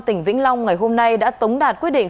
tỉnh vĩnh long ngày hôm nay đã tống đạt quyết định